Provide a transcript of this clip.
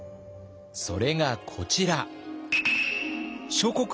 それがこちら。